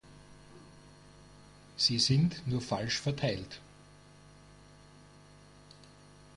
Sie sind nur falsch verteilt.